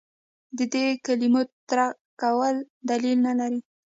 د دې کلمو ترک کول دلیل نه لري.